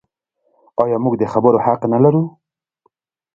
آیا موږ د خبرو حق نلرو؟